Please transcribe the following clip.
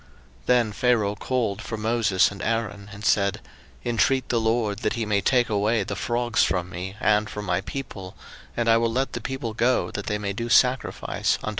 02:008:008 Then Pharaoh called for Moses and Aaron, and said, Intreat the LORD, that he may take away the frogs from me, and from my people; and I will let the people go, that they may do sacrifice unto the LORD.